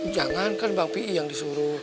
jangan kan bang pih yang disuruh